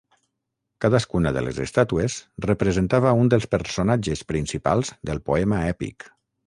Cadascuna de les estàtues representava un dels personatges principals del poema èpic.